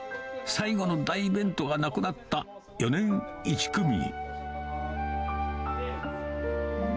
最後の大イベントがなくなった４年１組。